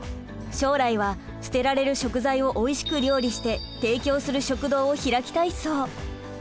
将来は捨てられる食材をおいしく料理して提供する食堂を開きたいそう！